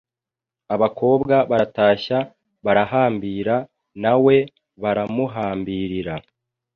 Abakobwa baratashya barahambira, na we baramuhambirira